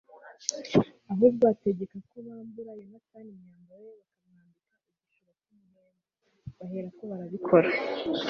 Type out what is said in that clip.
ahubwo ategeka ko bambura yonatani imyambaro ye bakamwambika igishura cy'umuhemba; bahera ko barabikora